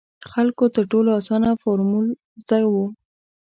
خلکو تر ټولو اسانه فارمول زده وو.